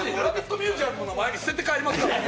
ミュージアム」の前に捨てて帰りますから。